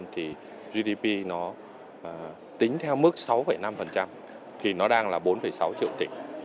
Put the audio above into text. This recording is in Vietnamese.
thì gdp nó tính theo mức sáu năm thì nó đang là bốn sáu triệu tỷ